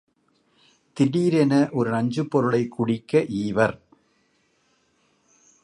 திடீரென ஒரு நஞ்சுப் பொருளைக் குடிக்க் ஈவர்.